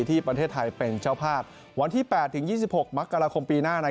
ที่ประเทศไทยเป็นเจ้าภาพวันที่๘ถึง๒๖มกราคมปีหน้า